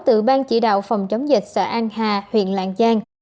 từ ban chỉ đạo phòng chống dịch xã an hà huyện lạng giang